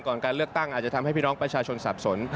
การเลือกตั้งอาจจะทำให้พี่น้องประชาชนสับสน